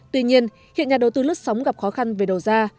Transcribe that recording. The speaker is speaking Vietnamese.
tuy nhiên hiện nhà đầu tư lướt sóng gặp khó khăn về đầu ra